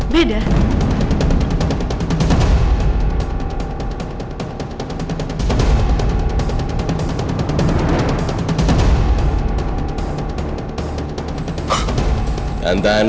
bagaimana kalau aku menangis